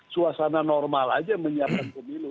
suasana normal aja menyiapkan pemilu